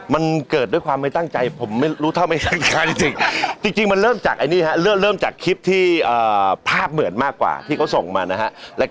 มันเกิดด้วยความไม่ตั้งใจผมไม่รู้เท่าไหมจริงมันเริ่มจากคลิปที่ภาพเหมือนมากกว่าที่เขาส่งมานะฮะ